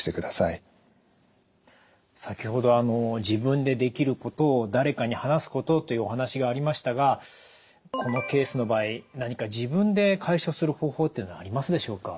先ほど自分でできることを誰かに話すことというお話がありましたがこのケースの場合何か自分で解消する方法っていうのはありますでしょうか？